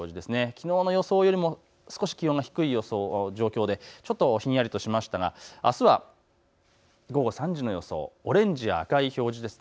きのうの予想よりも少し低い状況でちょっとひんやりとしましたがあす午後３時の予想、オレンジや赤い表示です。